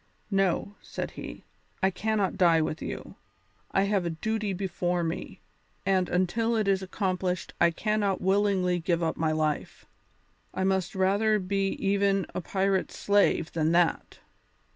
"No," said he, "I cannot die with you; I have a duty before me, and until it is accomplished I cannot willingly give up my life. I must rather be even a pirate's slave than that.